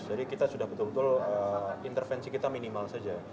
jadi kita sudah betul betul intervensi kita minimal saja